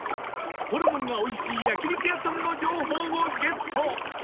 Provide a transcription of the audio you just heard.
ホルモンがおいしい焼肉屋さんの情報をゲット